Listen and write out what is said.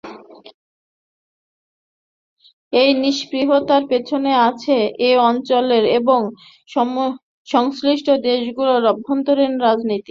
এই নিস্পৃহতার পেছনে আছে এ অঞ্চলের এবং সংশ্লিষ্ট দেশগুলোর অভ্যন্তরীণ রাজনীতি।